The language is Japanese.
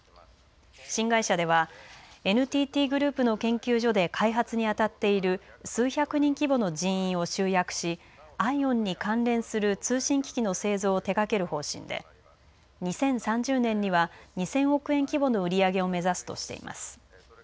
新会社ではＮＴＴグループの研究所で開発に当たっている数百人規模の人員を集約しＩＯＷＮに関連する通信機器の製造を手がける方針で２０３０年には２０００億円規模の売り上げを目指すとしています。